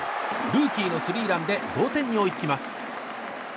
ルーキーのスリーランで同点に追いつきます。